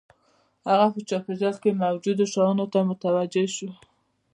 هغه په چاپېريال کې موجودو شیانو ته متوجه شو